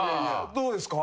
どうですか？